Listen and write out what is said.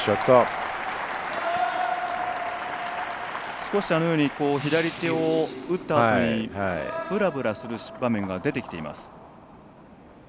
少し左手を打ったあとにぶらぶらする場面が出てきています。